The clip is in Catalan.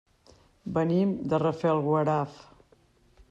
Venim de Rafelguaraf.